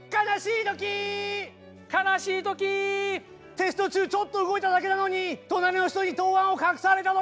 テスト中ちょっと動いただけなのに隣の人に答案を隠された時。